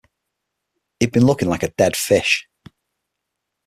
He had been looking like a dead fish.